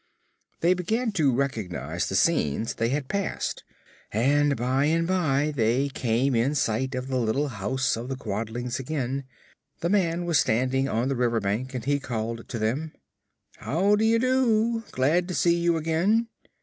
They began to recognize the scenes they had passed, and by and by they came in sight of the little house of the Quadlings again. The man was standing on the river bank and he called to them: "How do you do? Glad to see you again.